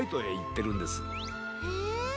へえ。